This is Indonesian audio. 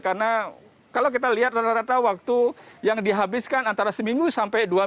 karena kalau kita lihat rata rata waktu yang dihabiskan antara seminggu sampai dua hari